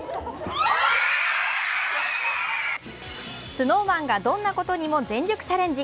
ＳｎｏｗＭａｎがどんなことにも全力チャレンジ。